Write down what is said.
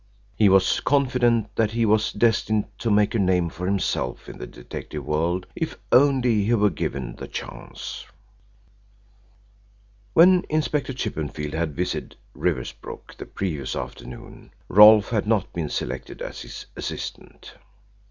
He was confident that he was destined to make a name for himself in the detective world if only he were given the chance. When Inspector Chippenfield had visited Riversbrook the previous afternoon, Rolfe had not been selected as his assistant.